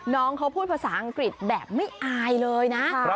น้องเขาพูดภาษาอังกฤษแบบไม่อายเลยนะ